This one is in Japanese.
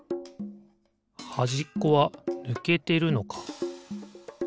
はじっこはぬけてるのか。